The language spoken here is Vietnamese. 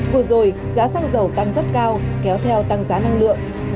vừa rồi giá xăng dầu tăng rất cao kéo theo tăng giá năng lượng